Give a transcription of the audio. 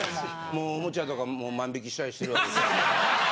もうおもちゃとかも万引きしたりしてるわけ？